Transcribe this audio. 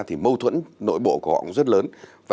thì mâu thuẫn nội bộ của họ cũng rất lớn